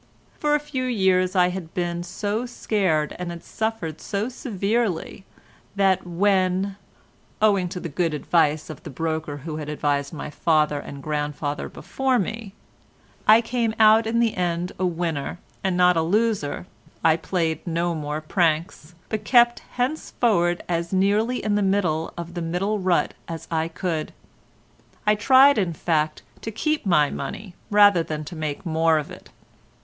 For a few years I had been so scared and had suffered so severely, that when (owing to the good advice of the broker who had advised my father and grandfather before me) I came out in the end a winner and not a loser, I played no more pranks, but kept henceforward as nearly in the middle of the middle rut as I could. I tried in fact to keep my money rather than to make more of it.